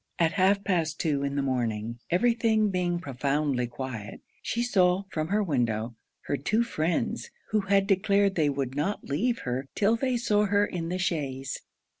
At half past two in the morning, every thing being profoundly quiet, she saw, from her window, her two friends, who had declared they would not leave her 'till they saw her in the chaise.